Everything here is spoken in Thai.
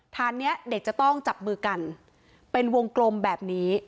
ฐานนี้เด็กจะต้องจับมือกันเป็นวงกลมแบบนี้